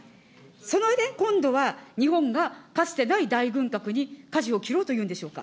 その上、今度は日本がかつてない大軍拡にかじを切ろうというんでしょうか。